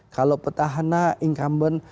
kalau petahana incumbent